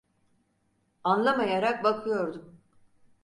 Anlamayarak bakıyordum.